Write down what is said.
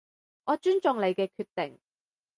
我尊重你嘅決定